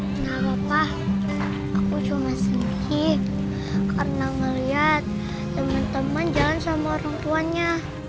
kenapa pak aku cuma sedih karena ngeliat temen temen jalan sama orang tuanya